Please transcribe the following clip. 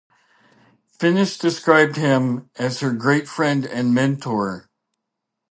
Finnis described him as her "great friend and mentor".